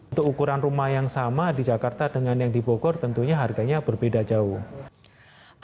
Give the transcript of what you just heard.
untuk ukuran rumah yang sama di jakarta dengan yang di bogor tentunya harganya berbeda jauh